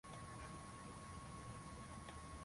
hizo ziliteuliwa ili zitumiwe na watu wa kawaida